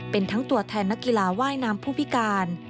เป็นทั้งตัวแทนนักกีฬาว่ายน้ำผู้พิการ